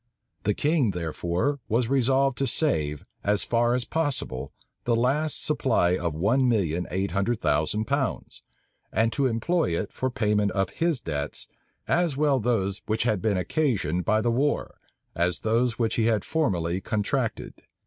The king, therefore, was resolved to save, as far as possible, the last supply of one million eight hundred thousand pounds; and to employ it for payment of his debts, as well those which had been occasioned by the war, as those which he had formerly contracted.